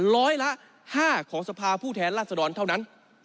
ร้อยละ๕ของสภาผู้แทนราษฎรเท่านั้น